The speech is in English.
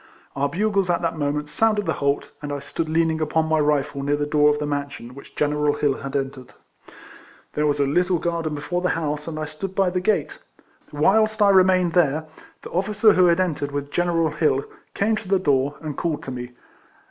Our bugles at that moment sounded the halt, and I stood leaning upon my rifle near the door of the mansion which 30 RECOLLECTIONS OF General Hill had entered : there was a little garden before the house, and I stood by the gate. Whilst I remained there, the officer who had entered with General Hill came to the door, and called to me.